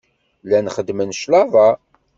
Llan xeddmen cclaḍa.